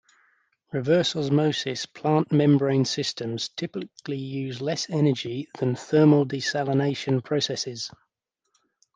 Reverse osmosis plant membrane systems typically use less energy than thermal desalination processes.